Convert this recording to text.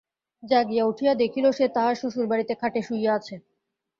জাগিয়া উঠিয়া দেখিল, সে তাহার শ্বশুরবাড়িতে খাটে শুইয়া আছে।